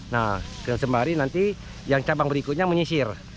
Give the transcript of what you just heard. nah dengan sembari nanti yang cabang berikutnya menyisir